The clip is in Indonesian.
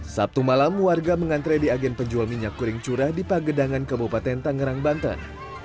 sabtu malam warga mengantre di agen penjual minyak goreng curah di pagedangan kabupaten tangerang banten